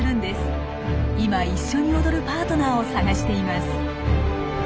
今一緒に踊るパートナーを探しています。